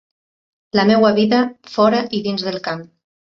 La meva vida fora i dins del camp.